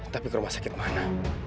tapi ke rumah sakit mana